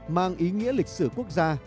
mang ý nghĩa lịch sử quốc gia